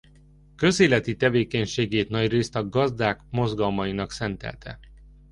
Közéleti tevékenységét nagyrészt a gazdák mozgalmainak szentelte.